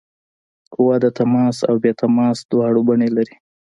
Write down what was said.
قوه د تماس او بې تماس دواړه بڼې لري.